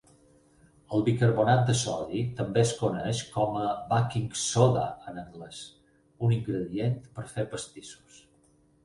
El bicarbonat de sodi també es coneix com a "baking soda" en anglès, un ingredient per fer pastissos.